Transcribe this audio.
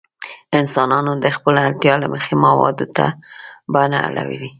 انسانانو د خپلې اړتیا له مخې موادو ته بڼه اړولې.